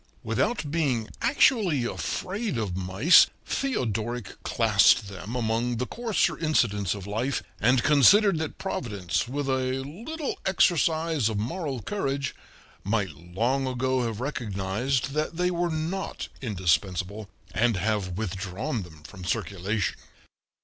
Without being actually afraid of mice, Theodoric classed them among the coarser incidents of life, and considered that Providence, with a little exercise of moral courage, might long ago have recognized that they were not indispensable, and have withdrawn them from circulation.